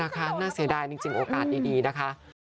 น่าเสียดายจริงโอกาสดีนะคะ